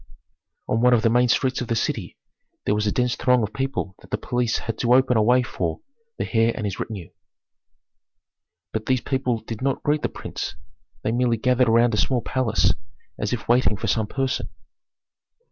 On one of the main streets of the city there was such a dense throng of people that the police had to open a way for the heir and his retinue. But these people did not greet the prince; they had merely gathered around a small palace as if waiting for some person.